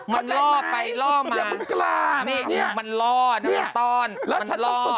มันล่อไปล่อมามันล่อเนี่ยต้อนมันล่อ